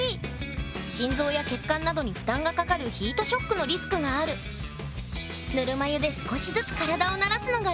心臓や血管などに負担がかかるヒートショックのリスクがあるのが重要！